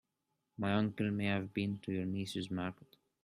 My uncle may have been to your niece's market.